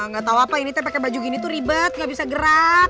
gatau apa ini teh pake baju gini tuh ribet gak bisa gerak